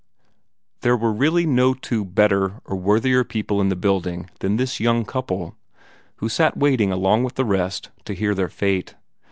There were really no two better or worthier people in the building than this young couple, who sat waiting along with the rest to hear their fate.